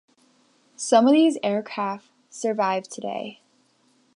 Some of these aircraft survive today.